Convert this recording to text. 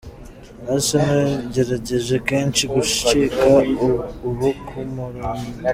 Arsenal yaragerageje kenshi gushika ubu kumurondera.